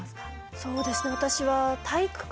そうですね。